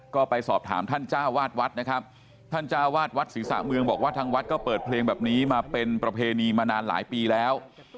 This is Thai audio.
ก็ไปสอบถามท่านจ้าวาดวัดนะครับท่านจ้าวาดวัดศรีษะเมืองบอกว่าทางวัดก็เปิดเพลงแบบนี้มาเป็นประเพณีมานานหลายปีแล้ว